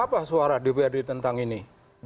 apa suara dprd tentang ini